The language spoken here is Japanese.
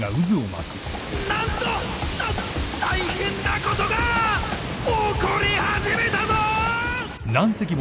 なんとた大変なことが起こり始めたぞ！